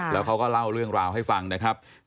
แล้วเขาก็เล่าเรื่องราวให้ฟังนะครับ